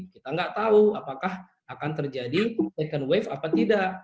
kita nggak tahu apakah akan terjadi second wave apa tidak